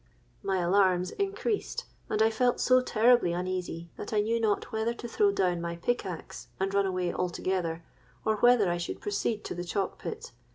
My alarms increased; and I felt so terribly uneasy, that I knew not whether to throw down my pickaxe and run away altogether, or whether I should proceed to the chalk pit.